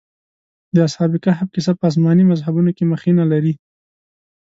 د اصحاب کهف کيسه په آسماني مذهبونو کې مخینه لري.